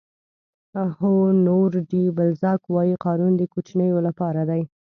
هونور ډي بلزاک وایي قانون د کوچنیو لپاره دی.